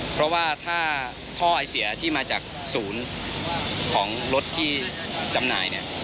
เพราะว่าถ้าท่อไอเสียที่มาจากศูนย์ของรถที่จำหน่ายเนี่ย